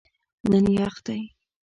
نن یخ دی